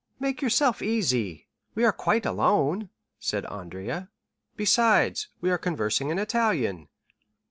"Make yourself easy, we are quite alone," said Andrea; "besides, we are conversing in Italian."